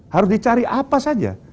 harus dicari apa saja